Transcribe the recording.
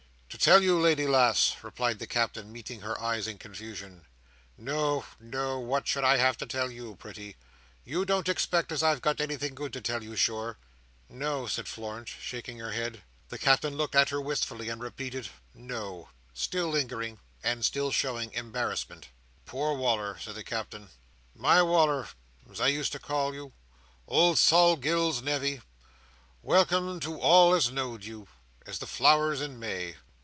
"To tell you, lady lass!" replied the Captain, meeting her eyes in confusion. "No, no; what should I have to tell you, pretty! You don't expect as I've got anything good to tell you, sure?" "No!" said Florence, shaking her head. The Captain looked at her wistfully, and repeated "No,"— still lingering, and still showing embarrassment. "Poor Wal"r!" said the Captain. "My Wal"r, as I used to call you! Old Sol Gills's nevy! Welcome to all as knowed you, as the flowers in May!